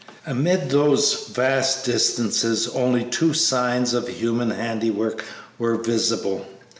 Amid those vast distances only two signs of human handiwork were visible.